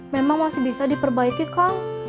memang masih bisa diperbaiki kang